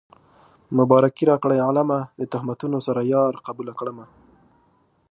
مبارکي راکړئ عالمه د تهمتونو سره يار قبوله کړمه